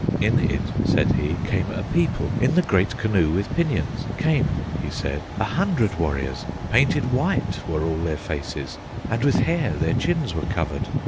In it, said he, came a people, In the great canoe with pinions Came, he said, a hundred warriors; Painted white were all their faces And with hair their chins were covered!